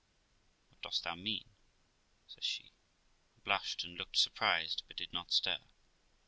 'What dost thee mean?' says she, and blushed, and looked surprised, but did not stir.